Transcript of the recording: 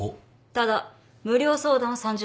ただ無料相談は３０分まで。